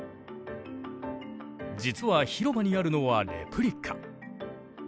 実は広場にあるのはレプリカ。